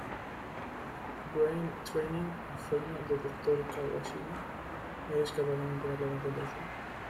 Brain Training Infernal del Dr. Kawashima: ¿Eres capaz de mantener la concentración?